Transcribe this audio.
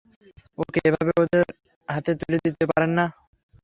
ওকে এভাবে ওদের হাতে তুলে দিতে পারেন না।